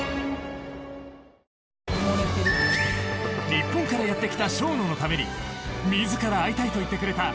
日本からやってきたＳＨＯＮＯのために自ら会いたいと言ってくれた